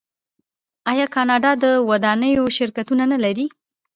آیا کاناډا د ودانیو شرکتونه نلري؟